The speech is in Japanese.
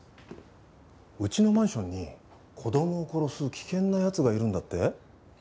うちのマンションに子供を殺す危険な奴がいるんだって？